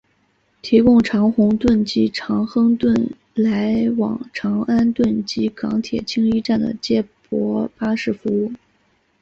提供长宏邨及长亨邨来往长安邨及港铁青衣站的接驳巴士服务。